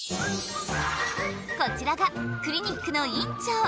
こちらがクリニックの院長。